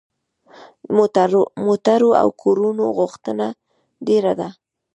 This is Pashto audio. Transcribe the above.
د موټرو او کورونو غوښتنه ډیره ده.